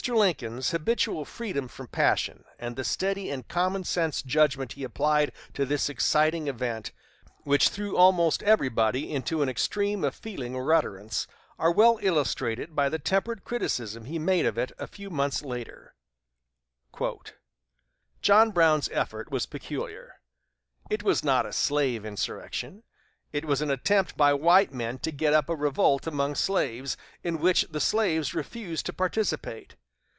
Lincoln's habitual freedom from passion, and the steady and common sense judgment he applied to this exciting event, which threw almost everybody into an extreme of feeling or utterance, are well illustrated by the temperate criticism he made of it a few months later: "John Brown's effort was peculiar. It was not a slave insurrection. It was an attempt by white men to get up a revolt among slaves, in which the slaves refused to participate.